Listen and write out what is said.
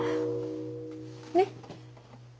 ねっ？